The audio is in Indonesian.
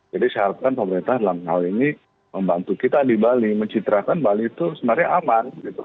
jadi syaratkan pemerintah dalam hal ini membantu kita di bali mencitrakan bali itu sebenarnya aman